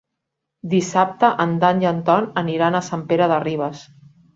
Dissabte en Dan i en Ton aniran a Sant Pere de Ribes.